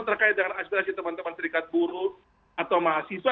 serikat buru atau mahasiswa